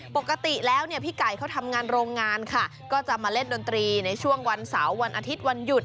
ปกติแล้วเนี่ยพี่ไก่เขาทำงานโรงงานค่ะก็จะมาเล่นดนตรีในช่วงวันเสาร์วันอาทิตย์วันหยุด